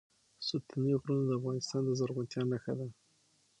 ستوني غرونه د افغانستان د زرغونتیا نښه ده.